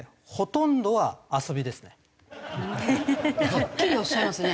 はっきりおっしゃいますね。